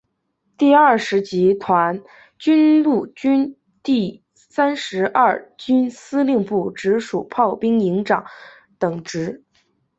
任第二十集团军陆军第三十二军司令部直属炮兵营营长等职。